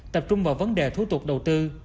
tập trung vào vấn đề thủ tục đầu tư